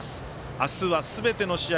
明日はすべての試合